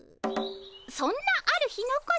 そんなある日のこと。